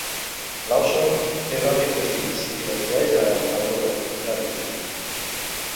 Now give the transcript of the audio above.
Lawson té dona i tres fills, i resideix a Aurora, Ontàrio.